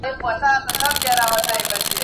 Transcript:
د بهرنیو چارو وزارت کډوالو ته ویزې نه بندوي.